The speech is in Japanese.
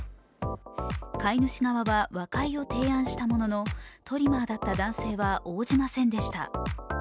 飼い主側は和解を提案したもののトリマーだった男性は応じませんでした。